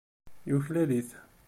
Yuklal-it.